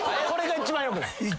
これが一番よくない。